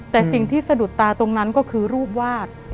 แต่สิ่งที่สะดุดตาตรงนั้นก็คือรูปวาด